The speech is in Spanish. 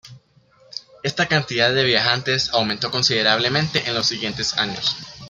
Esta cantidad de viajantes aumentó considerablemente en los siguientes años.